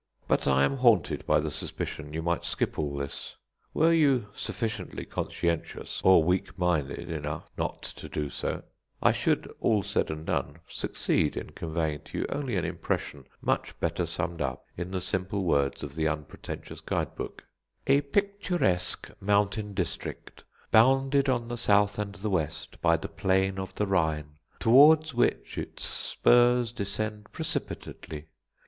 But I am haunted by the suspicion you might skip all this. Were you sufficiently conscientious or weak minded enough not to do so, I should, all said and done, succeed in conveying to you only an impression much better summed up in the simple words of the unpretentious guide book: "A picturesque, mountainous district, bounded on the south and the west by the plain of the Rhine, towards which its spurs descend precipitately.